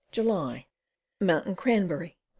July. Mountain Cranberry.